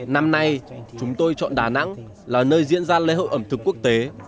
năm nay chúng tôi chọn đà nẵng là nơi diễn ra lễ hội ẩm thực quốc tế